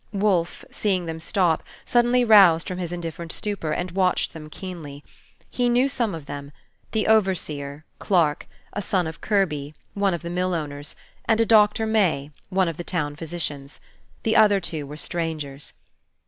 Wolfe, seeing them stop, suddenly roused from his indifferent stupor, and watched them keenly. He knew some of them: the overseer, Clarke, a son of Kirby, one of the mill owners, and a Doctor May, one of the town physicians. The other two were strangers.